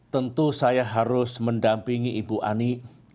tentu saya harus mendampingi ibu ani